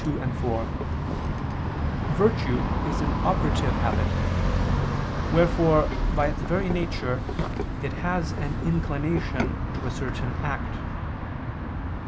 2, 4), virtue is an operative habit, wherefore by its very nature it has an inclination to a certain act.